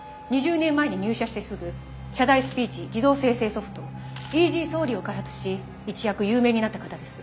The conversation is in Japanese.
２０年前に入社してすぐ謝罪スピーチ自動生成ソフトＥａｓｙＳｏｒｒｙを開発し一躍有名になった方です。